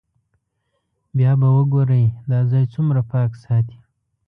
بیا به وګورئ دا ځای څومره پاک ساتي.